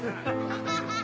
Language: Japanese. アハハハハ！